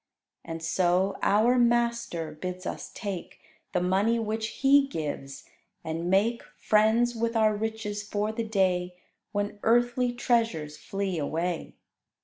And so our Master bids us take The money which He gives, and make Friends with our riches for the day When earthly treasures flee away.